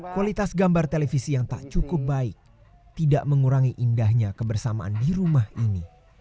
kualitas gambar televisi yang tak cukup baik tidak mengurangi indahnya kebersamaan